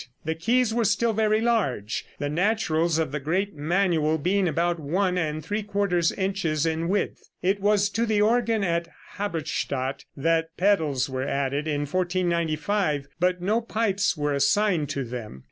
The keys were still very large, the naturals of the great manual being about one and three quarters inches in width. It was to the organ at Halberstadt that pedals were added in 1495, but no pipes were assigned to them.